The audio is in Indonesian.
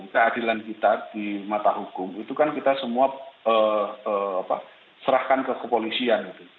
keadilan kita di mata hukum itu kan kita semua serahkan ke kepolisian